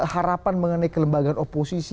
harapan mengenai kelembagaan oposisi